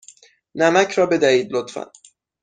نمک را بدهید، لطفا.